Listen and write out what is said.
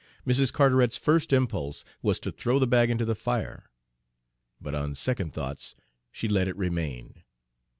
Mrs. Carteret's first impulse was to throw the bag into the fire, but on second thoughts she let it remain.